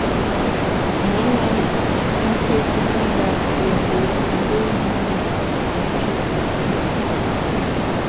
Me na nküt mfendap po ndû ne mbùm-ùe me njù pinsié na.